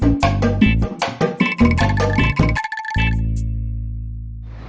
ubed itu temen atau pacar